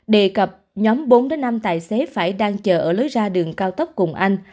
đề cập nhóm bốn năm tài xế phải đang chờ ở lối ra đường cao tốc cùng anh